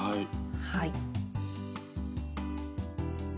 はい。